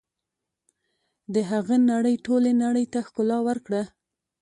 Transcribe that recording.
د هغه نړۍ ټولې نړۍ ته ښکلا ورکړه.